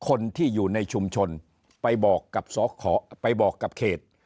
คนที่อยู่ในชุมชนไปบอกกับสอขอไปบอกกับเขต